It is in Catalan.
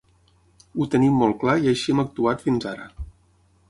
Ho tenim molt clar i així hem actuat fins ara.